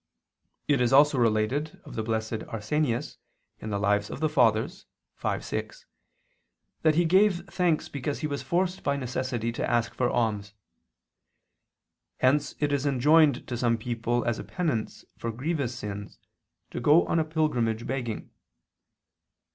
It is also related of the Blessed Arsenius in the Lives of the Fathers (v, 6) that he gave thanks because he was forced by necessity to ask for alms. Hence it is enjoined to some people as a penance for grievous sins to go on a pilgrimage begging.